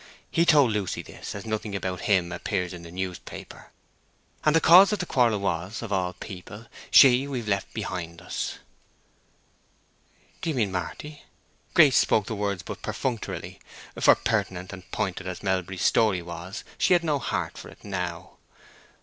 He told Lucy this, as nothing about him appears in the newspaper. And the cause of the quarrel was, of all people, she we've left behind us." "Do you mean Marty?" Grace spoke the words but perfunctorily. For, pertinent and pointed as Melbury's story was, she had no heart for it now.